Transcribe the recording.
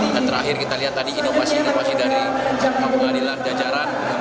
dan terakhir kita lihat tadi inovasi inovasi dari pengadilan jajaran